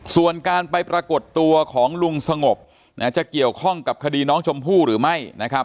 ส่วนการไปปรากฏตัวของลุงสงบจะเกี่ยวข้องกับคดีน้องชมพู่หรือไม่นะครับ